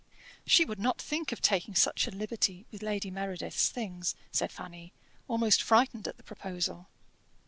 "She would not think of taking such a liberty with Lady Meredith's things," said Fanny, almost frightened at the proposal.